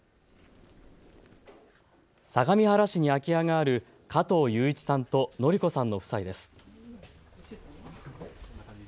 相模原市に空き家がある加藤雄一さんと典子さんの夫妻です。